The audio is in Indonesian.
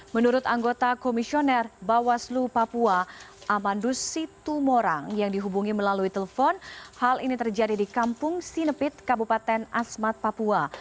menurut anggota komisioner bawaslu papua amandus situmorang yang dihubungi melalui telepon hal ini terjadi di kampung sinepit kabupaten asmat papua